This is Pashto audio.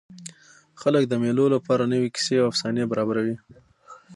خلک د مېلو له پاره نوي کیسې او افسانې برابروي.